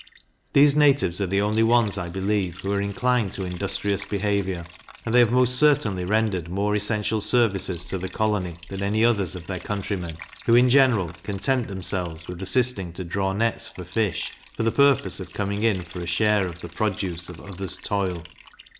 These natives are the only ones, I believe, who are inclined to industrious behaviour, and they have most certainly rendered more essential services to the colony than any others of their countrymen, who, in general, content themselves with assisting to draw nets for fish, for the purpose of coming in for a share of the produce of others toil.